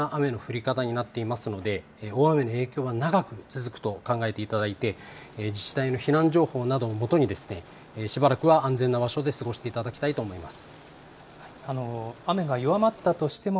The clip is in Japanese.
今回は非常に危険な雨の降り方になっていますので大雨の影響は長く続くと考えていただいて自治体の避難情報などを元にしばらくは安全な場所で過ごしていただきたいと思います。